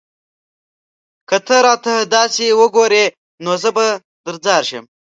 که ته راته داسې وگورې؛ نو زه به درځار شم